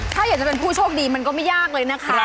ถ้าอยากจะเป็นผู้โชคดีมันก็ไม่ยากเลยนะคะ